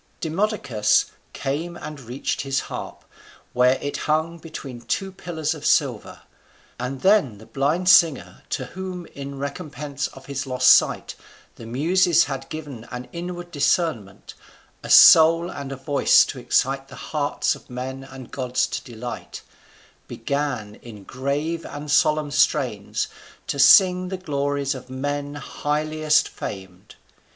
Demodocus came and reached his harp, where it hung between two pillars of silver; and then the blind singer, to whom, in recompense of his lost sight, the muses had given an inward discernment, a soul and a voice to excite the hearts of men and gods to delight, began in grave and solemn strains to sing the glories of men highliest famed.